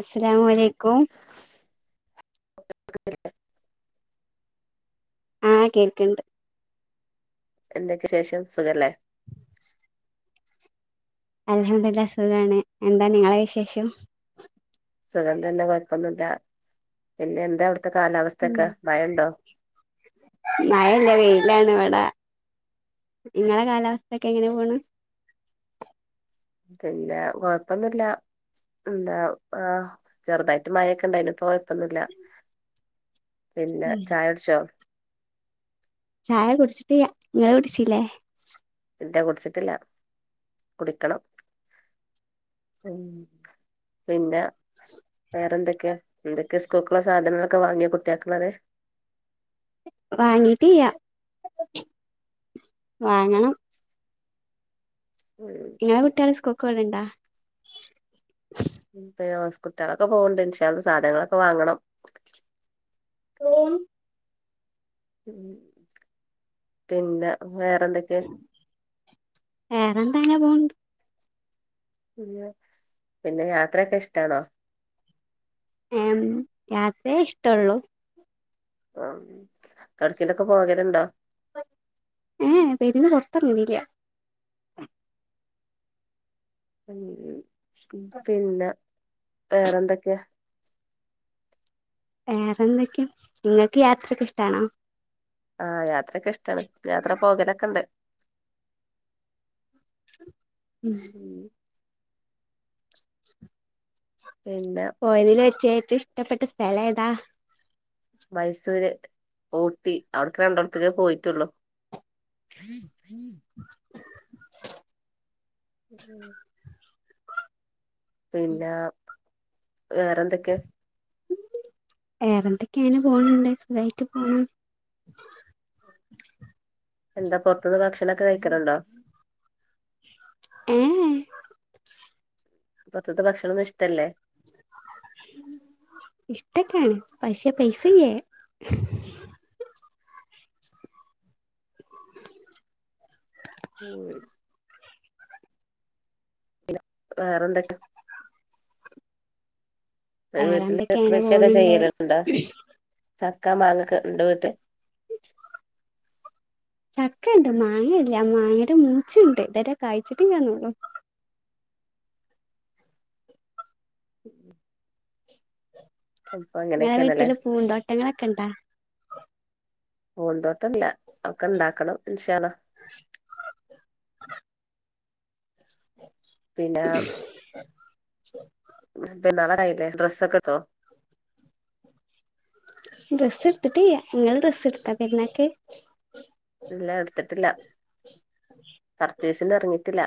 അസ്സലാമു അലൈക്കും ആഹ് കേൾക്കിണ്ട് എന്തൊക്കെ വിശേഷം സുഖല്ലേ? അൽഹംദിലാ സുഖാണ് എന്താ നിങ്ങളെ വിശേഷം സുഖം തന്നെ കൊഴപ്പൊന്നുല്ല പിന്നെ എന്താവ് ഉം മയല്ല വെയ്ലാണ് ഇവടാ ഇങ്ങളെ കാലാവസ്ഥക്കെങ്ങെനെ പോണ് പിന്നെ കൊഴപ്പൊന്നുല്ല ന്താ ആ ചെർതായ്ട്ട് മയൊക്കെണ്ടായ്ന് ഇപ്പോ കൊയപ്പൊന്നുല്ല പിന്നെ ചായുട്ച്ചോ ചായ കുട്ച്ച്ട്ടിയ്യ ങ്ങള് കുട്ച്ചീലേ ഇല്ല കുട്ച്ച്ട്ട്ല്ല കുടിക്കണം പിന്നെ വേറെന്തൊക്കെയാ എന്തൊക്കെ സ്കൂക്ക്ള്ള സാധനങ്ങളൊക്കെ വാങ്ങ്യൊ കുട്ട്യാക്ക്ള്ളത് വാങ്ങീട്ടിയ്യ വാങ്ങണം ഇങ്ങെളെ കുട്ട്യാള് സ്കു ക്കോണ് ണ്ടാ ഇൻന്തയവസ് കുട്ട്യാളൊക്കെ പോവ്ണ്ട് ഇൻഷാ അള്ളാ സാധനങ്ങളൊക്കെ വാങ്ങണം തോന്നും ഉം പിന്നെ വേറെന്തൊക്കെ വേറെന്താ അങ്ങനെ പോൺ പിന്നെ പിന്നെ യാത്രെക്കെ ഇഷ്ടാണോ ഏം യാത്രേ ഇഷ്ടൊള്ളു ആ കടേക്കലൊക്കെ പോകലിണ്ടോ ഊം പെരുന്ന [unintelligible] കഞ്ഞിയും സ്കൂപ്പില്ല വേറെന്തൊക്കെയാ വേറെന്തൊക്കെയാ നിങ്ങക്ക് യാത്രക്കെ ഇഷ്ടാണോ ആ യാത്രയെക്കെ ഇഷ്ടാണ് യാത്ര പോകലെക്കെണ്ട് ഉം പിന്നെ പോയതില് വെച്ചേ റ്റ ഇഷ്ടപ്പെട്ട സ്ഥലേതാ മൈസൂര് ഊട്ടി അവിട്ക്ക രണ്ടോടത്തേക്കേ പോയിട്ടുള്ളു ഉം പിന്നാ വേറെ എന്തൊക്കെ വേറെന്തൊക്കെയാണ് പോണണ്ട് സുഖായിട്ട് പോണ് എന്താ പൊറത്തെന്ന് ഭക്ഷണ കഴിക്കണണ്ടോ ഉം ഉം പൊറത്തത്തെ ഭക്ഷണൊന്നും ഇഷ്ടല്ലേ ഇഷ്ട്ടൊക്കെയാണ് പക്ഷേ പൈസയില്ലെ ഉം വേറെന്തൊക്കെ ഇങ്ങടെ വീട്ടില് വേറെന്തൊക്കെയാണ് കൃഷിയൊക്കെ പോണുണ്ട് ചെയ്യലുണ്ടോ ചക്കാ മാങ്ങ ഒക്കെ ഇണ്ടോ വീട്ടിൽ ചക്ക ഇണ്ട് മാങ്ങയില്ല മാങ്ങയുടെ മൂച്ചിണ്ട് ഇത് വരെ കായ്ച്ചിട്ടില്ലാന്നേയുള്ളു അപ്പൊ ഇങ്ങടെ അങ്ങനെയൊക്കെയാണല്ലേ വീട്ടില് പൂന്തോട്ടങ്ങളൊക്കെ ഇണ്ടാ പൂന്തോട്ടം ഇല്ല ഒക്കെ ഇണ്ടാക്കണം ഇന്ഷാ അള്ളാ പിന്നെ പെരുന്നാൾ ആകാറായില്ലേ ഡ്രസ്സൊക്കെ എടുത്തോ ഡ്രസ്സ് എടുത്തിട്ടില്ല ഇങ്ങള് ഡ്രസ്സ് എടുത്താ പെരുന്നാൾക്ക് ഇല്ല എടുത്തിട്ടില്ല [unintelligible] പർച്ചേസിന് എറങ്ങീട്ടില്ല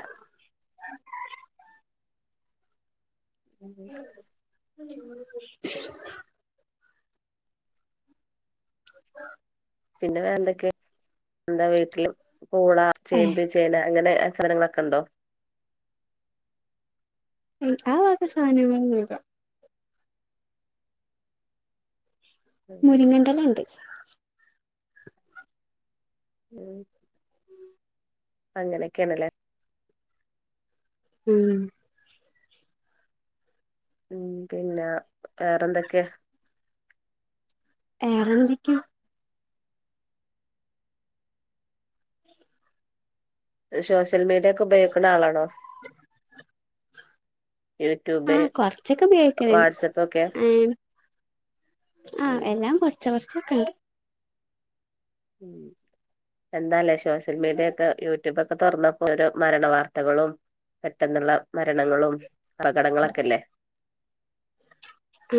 പിന്നെ വേറെന്തൊക്കെ എന്താ വീട്ടിലും പൂള ഏഹ് ചേമ്പ് ചേന അങ്ങനെ സാനങ്ങളൊക്കെ ഇണ്ടോ ഉം ആ വക സാനങ്ങളൊന്നും ഇല്ല മുരിങ്ങന്റെ ഉം ഇല ഇണ്ട് ഉം അങ്ങനൊക്കെയാണ് അല്ലേ ഉം ഉം പിന്നാ വേറെന്തൊക്കെ വേറെന്തൊക്കെയാ ഷോഷ്യൽ മീഡിയൊക്കെ ഉപയോഗ ക്കണ ആളാണോ യൂട്യൂബ് ആഹ് കൊറച്ചൊക്കെ ഉപയോഗിക്കലുണ്ട് വാട്സ്ആപ്പ് ഒക്കെ ആ ഉം എല്ലാം കൊറ ചോർച്ച ഒക്കെ ഇൻ ഉം എന്താലേ സോഷ്യൽ മീഡിയക്കെ പ്പൊക്കെ തുറന്നപ്പോഓരോ മരണ വർത്തകളും പെട്ടെന്നുള്ള മരണങ്ങളും അപകടങ്ങളൊക്കെല്ലേ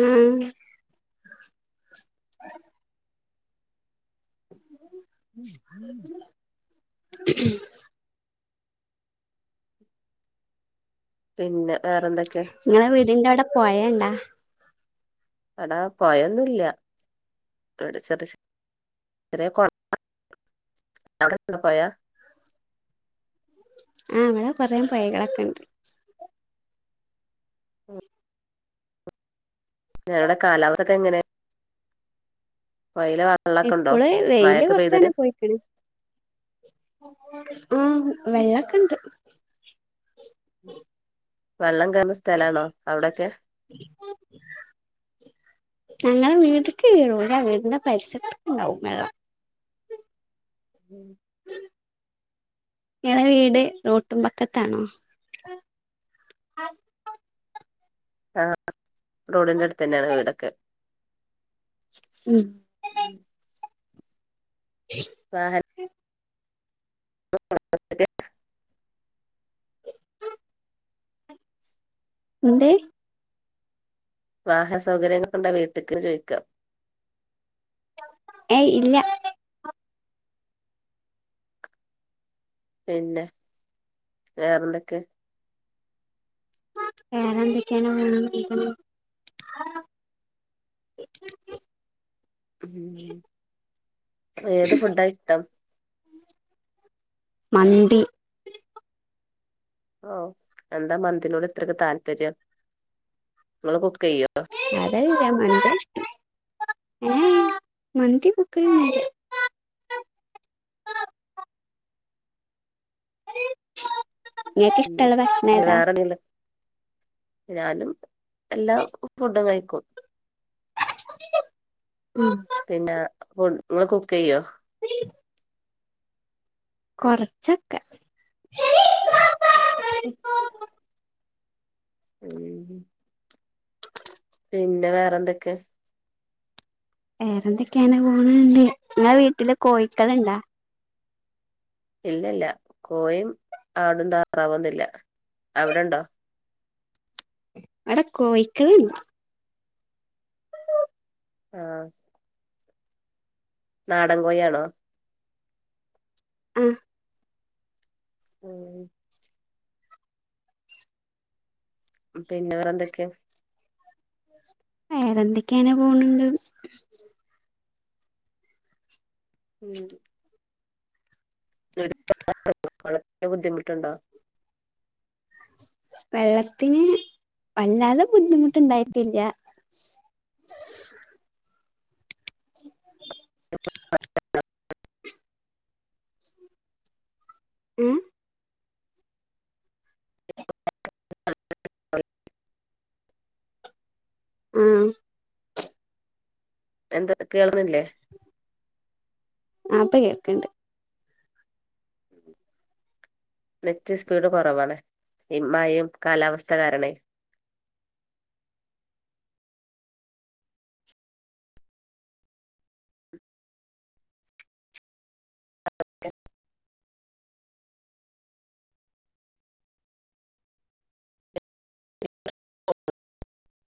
ഉം പിന്നെ വേറെന്തൊക്കെയ ങ്ങളെ വീടിന്റെ അവിടെ പോയണ്ടാ അടാ പോയൊന്നുംല്ല അവിടെ ചെറിയ ചെറിയ [inaudible] ആ അവിടെ കുറം പൈകളൊക്കെ ഉണ്ട് ഞങ്ങളടെ കാലാവക്കെ എങ്ങനെയ വെള്ളൊക്കെ ഉണ്ടോ എപ്പള് വെയില് മഴൊക്കെ പെയ്തിട്ട് കുറച്ചാണ് പോയിക്കണ ആ വെള്ളക്കണ്ട് വെള്ളം കയറന്ന സ്ഥലാണോ അവിടൊക്കെ ഞങ്ങ വീട്ടക്ക് കീഴൂല്ല വീടിന്റെ പൈസത് ഉണ്ടാവും വെള്ളം ഞടെ വീട് റോട്ടും പക്കത്താണോ ആ റോഡിന്റെ അടുത്ത് തന്നെയാണ് വീടൊക്കെ ഉം സഹ ന്തേ വാഹന സൗകര്യങ്ങള്ക്ക കൊണ്ടാ വീട്ടക്ക് ചോദിക്കാം ഏയ് ഇല്ല പിന്നെ വേറെന്തൊക്കെ വേറെ എന്തൊക്കെയാണ് [unintelligible] ഉ ഏത് ഫുഡ ഇട്ടം മന്തി ഓ എന്താ മന്തിനോട് ഇത്രൊക്കെ താല്പര്യം ങ്ങള് ക്കു കുക്ക് യ്യോ [unintelligible] ഏ മന്തി പക്ക [unintelligible] ങ്ങക്കിഷ് കുട്ടള ഭക്ഷണ ഇനി ഏതാ വേറെന്തെങ്കിലും ഞാനും എല്ലാ ഫുഡും കഴിക്കും ഉം പിന്നാ ഫുഡ്‌ ഇങ്ങെൾ കുക്കെയ്യോ? കൊർച്ചൊക്കെ [unintelligible] [inaudible] പിന്നെ വേറെ എന്തൊക്കെ? വേറെന്തെക്കെണ് പോണ് ഇണ്ട് ഇങ്ങെളെ വീട്ടിൽ കോഴിക്കെൾ ഇണ്ടാ? ഇല്ല ഇല്ല കോഴിം ആടും താറാവൊന്നും ഇല്ല അവ്ടെ ഇണ്ടോ? അയുടെ കോഴിക്കെൾ ഇണ്ട്. ആഹ് നാടൻ കോയാണോ ആഹ് ഉം പിന്നെ വെറെ എന്തൊക്കെ? വേറെന്തൊക്കെയനെ പോണ് ണ്ട് ഉം [unintelligible] വളരെ ബുദ്ധിമുട്ടുണ്ടോ വെള്ളത്തിന് വല്ലാതെ ബുദ്ധിമുട്ടുണ്ടായിട്ടില്ല [inaudible] ഉം [unintelligible] ആഹ് എന്താ കേൾന്നില്ലേ ആഹ് ഇപ്പ കേക്ക്ണ്ട് നെറ്റ് സ്പീഡ് കൊറവാണ് ഇമ്മയെം കാലാവസ്ഥ കാരണെ [inaudible] [inaudible]